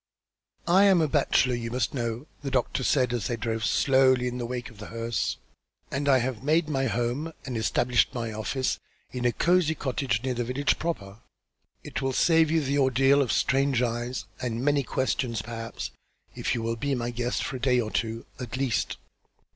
"I am a bachelor, you must know," the doctor said, as they drove slowly in the wake of the hearse. "And I have made my home and established my office in a cosy cottage near the village proper. It will save you the ordeal of strange eyes, and many questions, perhaps, if you will be my guest for a day or two, at least."